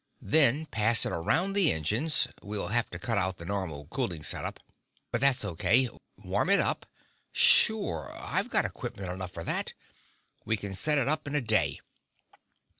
Then pass it around the engines we'll have to cut out the normal cooling set up, but that's okay warm it up.... Sure, I've got equipment enough for that. We can set it up in a day.